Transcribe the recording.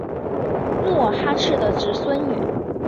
努尔哈赤的侄孙女。